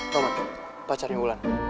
roman pacarnya wulan